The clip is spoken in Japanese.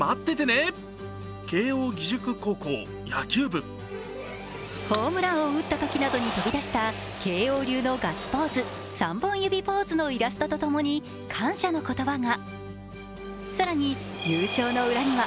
そんな激励に選手たちからはホームランを打ったときなどに飛び出した慶応流のガッツポーズ３本指ポーズのイラストとともに感謝の言葉が。